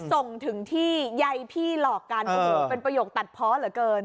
ส่งถึงที่ใยพี่หลอกกันโอ้โหเป็นประโยคตัดเพาะเหลือเกิน